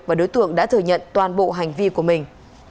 và đối tượng đã thừa nhận toàn bộ hành vi của mình